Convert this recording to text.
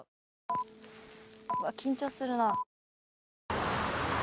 「うわっ緊張するなあ」